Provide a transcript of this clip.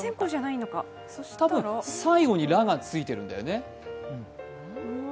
多分、最後に「ら」がついてるんだよね？